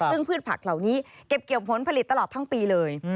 ซึ่งพืชผักเหล่านี้เก็บเกี่ยวผลผลิตตลอดทั้งปีเลย